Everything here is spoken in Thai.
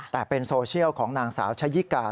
แต่เป็นโซเชียลของนางสาวชะยิกา